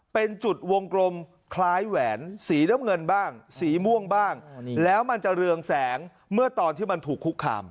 เป็นจุดวงกลมคล้ายแหวนสีน้ำเงินบ้างสีม่วงบ้างแล้วมันจะเรืองแสงเมื่อตอนที่มันถูกคุกคาม